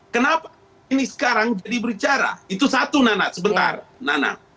kenapa ini sekarang jadi berbicara itu satu nana sebentar nana